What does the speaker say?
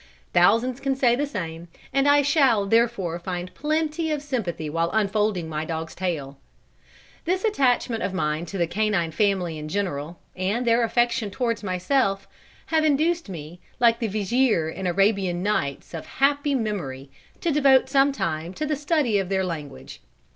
Thousands can say the same; and I shall therefore find plenty of sympathy while unfolding my dog's tale. This attachment of mine to the canine family in general, and their affection towards myself, have induced me, like the Vizier in the "Arabian Nights," of happy memory, to devote some time to the study of their language.